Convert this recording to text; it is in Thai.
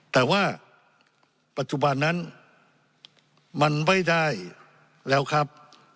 แต่ว่าปัจจุบันนั้นมันไม่ได้แล้วครับ